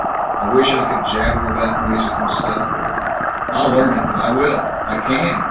I wish I could jabber about music and stuff. I'll learn it. I will! I can!